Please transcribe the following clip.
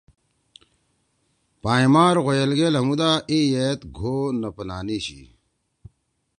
پائں مار غویل گے لھنگُودا ای یئد گھو نہ پلانیِشی۔